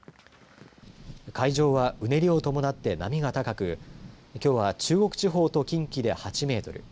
海上は、うねりを伴って波が高くきょうは中国地方と近畿で８メートル